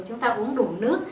chúng ta uống đủ nước